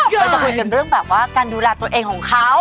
เราจะคุยกันเรื่องแบบว่าการดูแลตัวเองของเขา